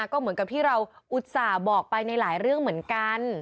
ก็เหมือนกับที่เราอุตส่าห์บอกไปในหลายเรื่องเหมือนกัน